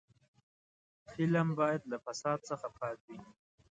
فلم باید له فساد څخه پاک وي